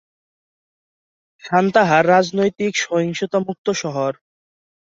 সান্তাহার রাজনৈতিক সহিংসতা মুক্ত শহর।